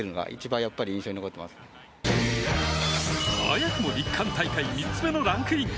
早くも日韓大会３つ目のランクイン！